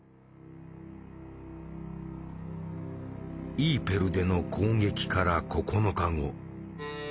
イーペルでの攻撃から９日後。